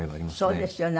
そうですよね。